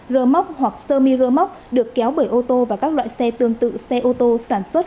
rơ móc hoặc sơ mi rơ móc được kéo bởi ô tô và các loại xe tương tự xe ô tô sản xuất